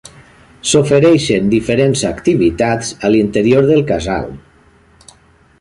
S'ofereixen diferents activitats a l'interior del casal.